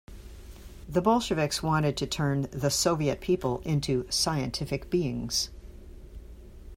The Bolsheviks wanted to turn the Soviet people into "scientific beings".